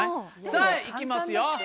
さぁいきますよ。